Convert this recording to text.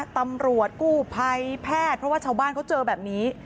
ตำรวจกู้ภัยแพทย์เพราะว่าชาวบ้านเขาเจอแบบนี้